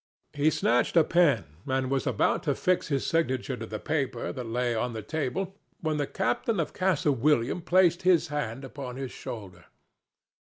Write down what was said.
He snatched a pen and was about to affix his signature to the paper that lay on the table, when the captain of Castle William placed his hand upon his shoulder.